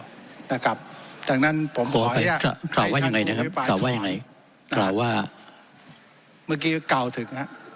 จากนั้นผมขอให้ท่านผู้อธิบายโทษ